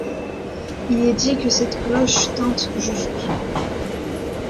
Il est dit que cette cloche tinte juste.